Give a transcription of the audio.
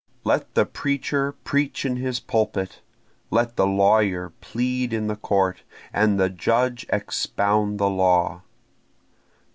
Let the preacher preach in his pulpit! let the lawyer plead in the court, and the judge expound the law.